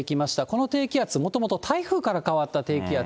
この低気圧、もともと台風から変わった低気圧。